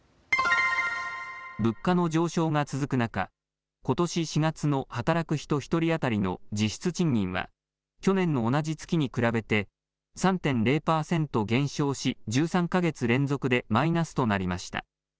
物価の上昇が続く中、ことし４月の働く人１人当たりの実質賃金は去年の同じ月に比べて３．０％減少し１３か月連続でマイナスとなりました。